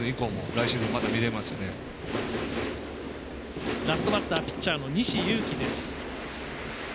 ラストバッターピッチャーの西勇輝。